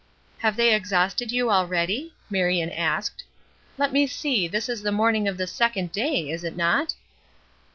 "Have they exhausted you already?" Marion asked. "Let me see, this is the morning of the second day, is it not?"